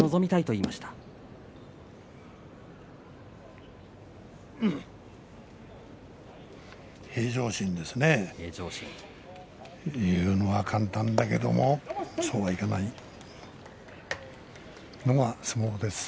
言うのは簡単だけどもそうはいかないのが相撲です。